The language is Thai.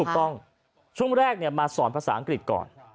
ถูกต้องช่วงแรกมาสอนภาษาอังกฤษก่อน